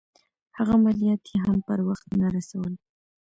هغه مالیات یې هم پر وخت نه رسول.